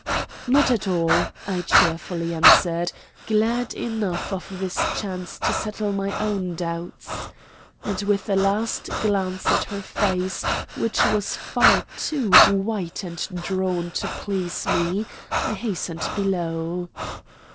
"Not at all," I cheerfully answered, glad enough of this chance to settle my own doubts. And with a last glance at her face, which was far too white and drawn to please me, I hastened below.